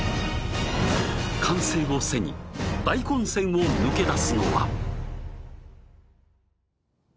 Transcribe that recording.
歓声を背に、大混戦を抜け出すのは。